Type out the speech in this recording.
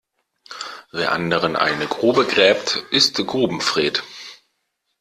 Wer anderen eine Grube gräbt, ist Grubenfred.